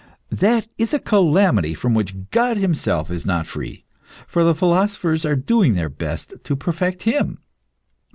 That is a calamity from which God Himself is not free, for the philosophers are doing their best to perfect Him.